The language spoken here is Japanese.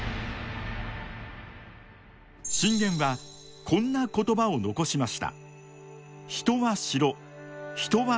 信玄はこんな言葉を残しました。